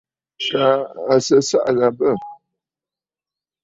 Kaa à sɨ ɨsaʼà gha bə̂.